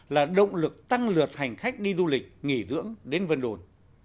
là động lực tăng lượt hành khách đi du lịch nghỉ dưỡng đến vân đồn